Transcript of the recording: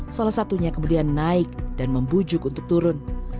salah satunya kemudian naik dan membujuk untuk turun